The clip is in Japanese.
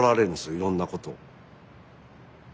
いろんなことを。